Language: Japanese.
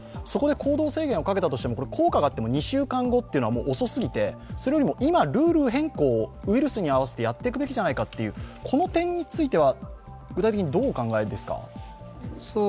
そこで行動制限をかけても効果があっても２週間後というのは遅すぎてそれよりも今、ルール変更をウイルスに合わせてやっていくべきじゃないかという、この点については具体的にどうお考えですか？